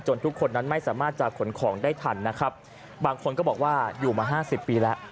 ทุกคนนั้นไม่สามารถจะขนของได้ทันนะครับบางคนก็บอกว่าอยู่มาห้าสิบปีแล้ว